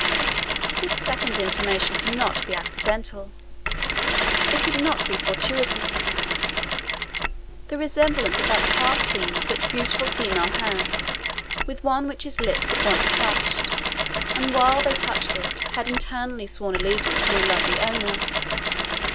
This second intimation could not be accidental it could not be fortuitous, the resemblance of that half seen but beautiful female hand with one which his lips had once touched, and, while they touched it, had internally sworn allegiance to the lovely owner.